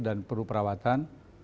dan perlu perawatan